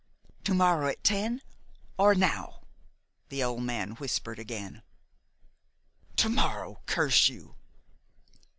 "To morrow, at ten? Or now?" the old man whispered again. "To morrow curse you!"